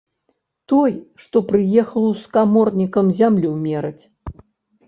Той, што прыехаў з каморнікам зямлю мераць.